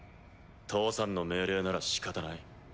父さんの命令ならしかたない。